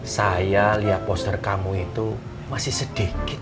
saya lihat poster kamu itu masih sedikit